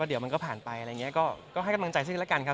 เดี๋ยวมันก็ผ่านไปอะไรอย่างนี้ก็ให้กำลังใจซึ่งกันแล้วกันครับ